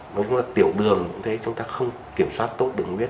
nếu mà tiểu đường cũng thế chúng ta không kiểm soát tốt đường huyết